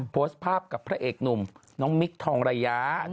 โพสต์ภาพกับพระเอกหนุ่มน้องมิคทองระยะ